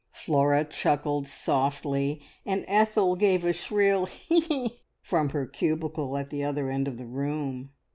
Flora chuckled softly, and Ethel give a shrill "He! he!" from her cubicle at the other end of the room.